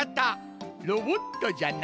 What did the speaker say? ロボットじゃな！